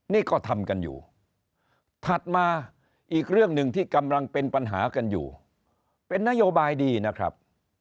นี่ก็ทำกันอยู่ถัดมาอีกเรื่องหนึ่งที่กำลังเป็นปัญหากันอยู่เป็นนโยบายดีนะครับ